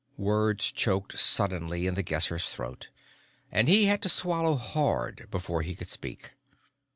Words choked suddenly in the Guesser's throat, and he had to swallow hard before he could speak.